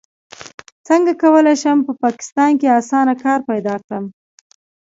څنګه کولی شم په پاکستان کې اسانه کار پیدا کړم